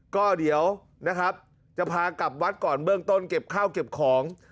ก็เดี๋ยวนะครับจะพากลับวัดก่อนเบื้องต้นเก็บข้าวเก็บของ